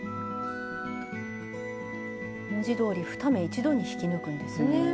文字どおり２目一度に引き抜くんですね。